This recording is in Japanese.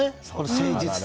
誠実さ。